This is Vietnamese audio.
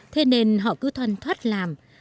thế nên họ cứ thuần thoát làm